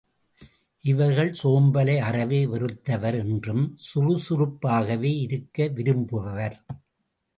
இவர்கள் சோம்பலை அறவே வெறுத்தவர் என்றும், சுறுசுறுப்பாகவே இருக்க விரும்புபவர்.